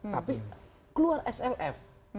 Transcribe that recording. tapi keluar slf